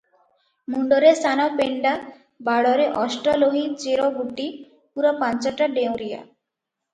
ମୁଣ୍ଡରେ ସାନ ପେଣ୍ଡା ବାଳରେ ଅଷ୍ଟଲୋହି ଚେର ବୁଟି ପୂରା ପାଞ୍ଚଟା ଡେଉଁରିଆ ।